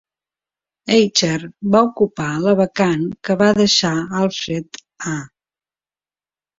Eicher va ocupar la vacant que va deixar Alfred A.